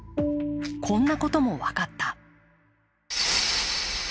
こんなことも分かった。